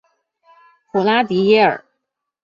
普拉迪耶尔。